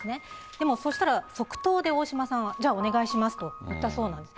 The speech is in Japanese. でもそうしたら即答で大島さんは、じゃあ、お願いしますと言ったそうなんです。